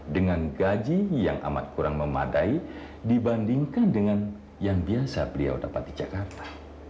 dengan gaji yang amat kurang memadai dibandingkan dengan yang biasa beliau dapat di jakarta